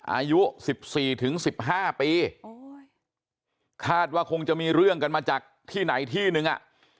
อายุสิบสี่ถึงสิบห้าปีคาดว่าคงจะมีเรื่องกันมาจากที่ไหนที่หนึ่งอ่ะ